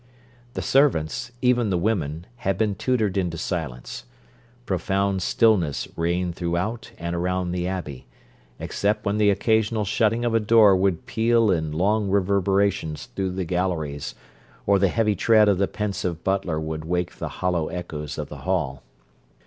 The servants, even the women, had been tutored into silence. Profound stillness reigned throughout and around the Abbey, except when the occasional shutting of a door would peal in long reverberations through the galleries, or the heavy tread of the pensive butler would wake the hollow echoes of the hall.